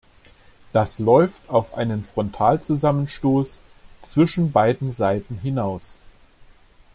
Das läuft auf einen Frontalzusammenstoß zwischen beiden Seiten hinaus.